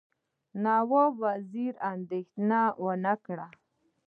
نواب وزیر اندېښنه ونه کړي.